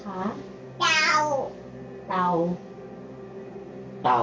มันมีกลัวไหม